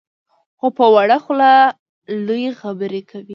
خو په وړه خوله لویې خبرې کوي.